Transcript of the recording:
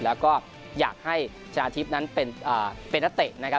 แล้วก็อยากให้ชนะทิพย์นั้นเป็นนักเตะนะครับ